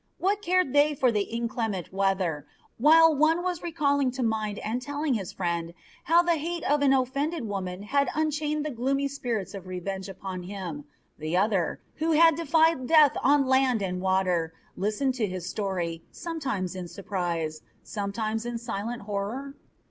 What cared they for the inclement weather, while one was recalling to mind and telling his friend how the hate of an offended woman had unchained the gloomy spirits of revenge upon him, the other, who had defied death on land water, listened to his story, sometimes in surprise, sometimes with silent horror?